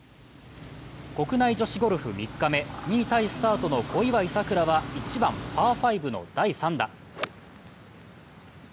国内女子ゴルフ３日目、２位タイスタートの小祝さくらは１番パー５の第３打。